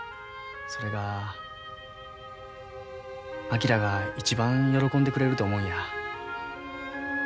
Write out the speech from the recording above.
それが昭が一番喜んでくれると思うんや。